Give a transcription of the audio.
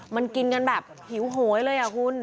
มันกินกันแบบหิวโหยเลยอ่ะคุณ